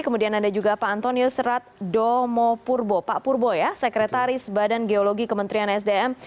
kemudian ada juga pak antonio serat domo purbo pak purbo ya sekretaris badan geologi kementerian sdm